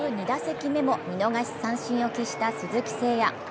２打席目も見逃しの三振を喫した鈴木誠也。